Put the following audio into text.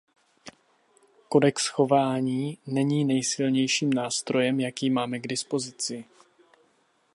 Kodex chování není nejsilnějším nástrojem, jaký máme k dispozici.